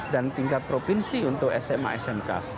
dan tingkat provinsi untuk sma smk